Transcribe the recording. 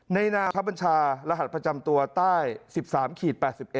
นาคับบัญชารหัสประจำตัวใต้๑๓๘๑